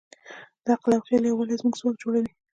د عقل او خیال یووالی زموږ ځواک جوړوي.